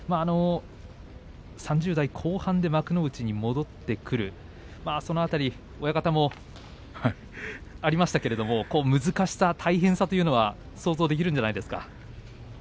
３０代後半で幕内に戻ってくるその辺り親方もありましたけれども難しさ、大変さというのは想像できるんじゃないですか？